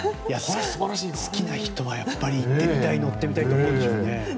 好きな人はやっぱり行ってみたい乗ってみたいと思うでしょうね。